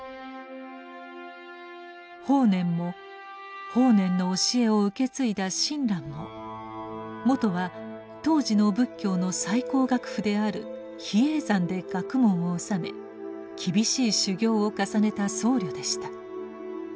法然も法然の教えを受け継いだ親鸞ももとは当時の仏教の最高学府である比叡山で学問を修め厳しい修行を重ねた僧侶でした。